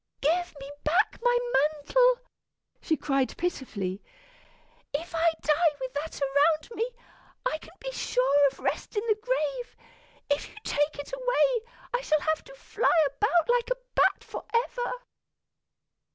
"Give me back my mantle," she cried pitifully; "if I die with that around me, I can be sure of rest in the grave. If you take it away, I shall have to fly about like a bat forever."